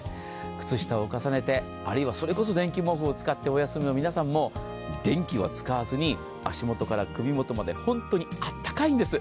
靴下を重ねて、それこそ電気毛布を使ってお休みになる皆さんも皆さん、もう電気は使わずに足元から首元まで、本当にあったかいんです。